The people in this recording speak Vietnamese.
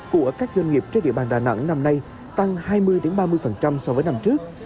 của các doanh nghiệp trên địa bàn đà nẵng năm nay tăng hai mươi ba mươi so với năm trước